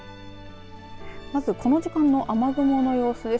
まずこの時間の雨雲の様子です。